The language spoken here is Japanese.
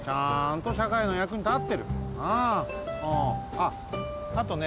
あっあとね